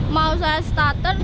mau saya starter